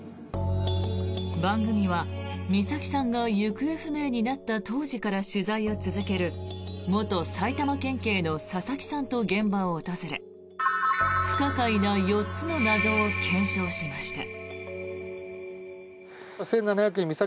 番組は、美咲さんが行方不明になった当時から取材を続ける元埼玉県警の佐々木さんと現場を訪れ不可解な４つの謎を検証しました。